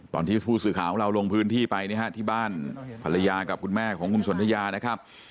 ตอนที่ผู้สื่อข่าวของเราลงพื้นที่ไปนะฮะที่บ้านภรรยากับคุณแม่ของคุณสนทยานะครับ